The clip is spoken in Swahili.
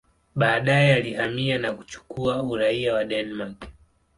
Baadaye alihamia na kuchukua uraia wa Denmark.